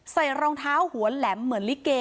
รองเท้าหัวแหลมเหมือนลิเก